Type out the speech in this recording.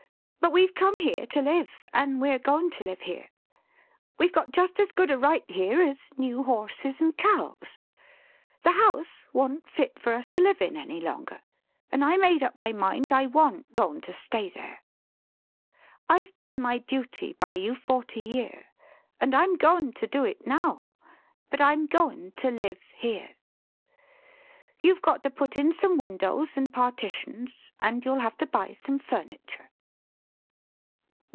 But we've come here to live, an' we're goin' to live here. We've got jest as good a right here as new horses an' cows. The house wa'n't fit for us to live in any longer, an' I made up my mind I wa'n't goin' to stay there. I've done my duty by you forty year, an' I'm goin' to do it now; but I'm goin' to live here. You've got to put in some windows and partitions; an' you'll have to buy some furniture."